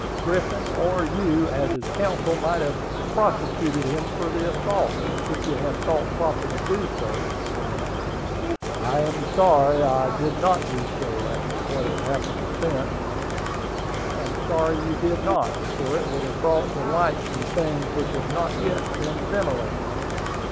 Griffin, or you, as his counsel, might have prosecuted him for the assault, if you had thought proper to do so," I answered. "I am sorry I did not do so, after what has happened since." "I am sorry you did not, for it would have brought to light some things which have not yet been ventilated."